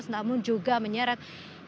namun juga menyeret